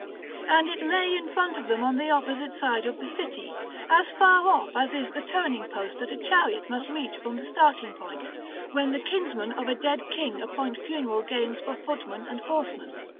And it lay in front of them on the opposite side of the city, as far off as is the turning post that a chariot must reach from the starting point, when the kinsmen of a dead king appoint funeral games for footmen and horsemen.